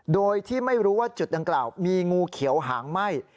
โดยที่ไม่รู้ว่าจุดดังกล่าวมีงูเขียวหางไหม้